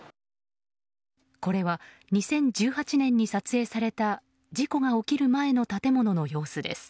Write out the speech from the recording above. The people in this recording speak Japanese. これは２０１８年に撮影された事故が起きる前の建物の様子です。